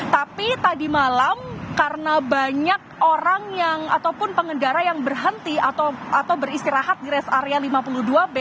tapi tadi malam karena banyak orang yang ataupun pengendara yang berhenti atau beristirahat di rest area lima puluh dua b